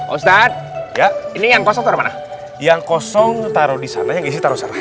ustadz ya ini yang kosong taruh mana yang kosong taruh di sana yang isi taruh sana